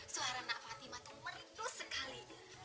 suara nak fatima tuh meritus sekali